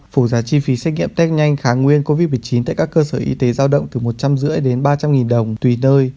phủ giá chi phí xét nghiệm test nhanh kháng nguyên covid một mươi chín tại các cơ sở y tế giao động từ một trăm linh rưỡi đến ba trăm linh nghìn đồng tùy nơi